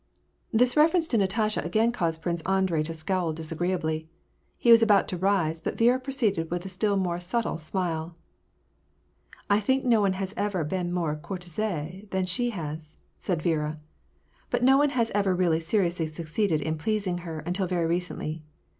This reference to Natasha again caused Prinoe Andrei to scowl disagreeably ; he was about to rise, but Viera proceeded with a still more subtle smile, —" I think no one has ever been more eourtisee than she has," said Viera. " But no one had ever really seriously succeeded in pleasing her, until very recently.